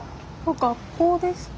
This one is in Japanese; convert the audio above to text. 学校ですか？